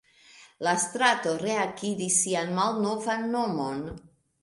La strato reakiris sian malnovan nomon.